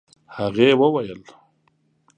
هغې وويل: